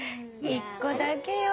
１個だけよ